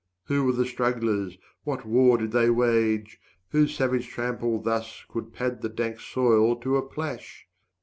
Who were the strugglers, what war did they wage, Whose savage trample thus could pad the dank 130 Soil to a plash?